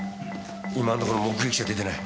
今のところ目撃者出てない。